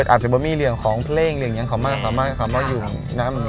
อาจจะมีเรื่องของเพลงคำว่าอยู่น้ำ